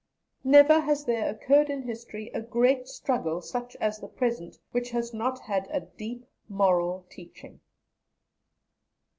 Never has there occurred in history a great struggle such as the present which has not had a deep moral teaching.